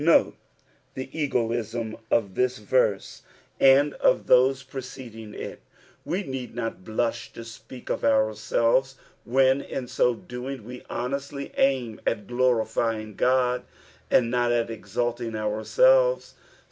Note Ibe egoism of this verse and of those preceding it ; we need not blush to speak of ourselves when, in ao doing ne boueatly aim at glorifyini^ God, and not at exalting ouiselves.